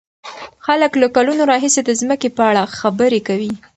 خلک له کلونو راهيسې د ځمکې په اړه خبرې کوي.